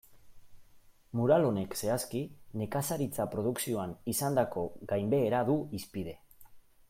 Mural honek, zehazki, nekazaritza produkzioan izandako gainbehera du hizpide.